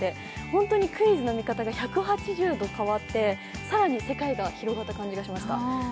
本当にクイズの見方が１８０度変わって、更に世界が広がった感じがしました。